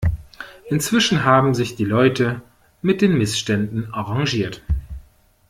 Inzwischen haben sich die Leute mit den Missständen arrangiert.